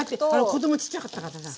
子供ちっちゃかったからさ。